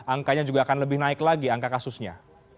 angkanya juga akan lebih naik lagi angka kasusnya